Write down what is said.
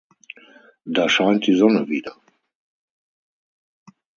Da scheint die Sonne wieder.